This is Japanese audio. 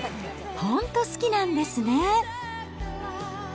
本当、好きなんですね。